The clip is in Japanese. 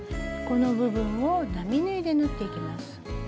この部分を並縫いで縫っていきます。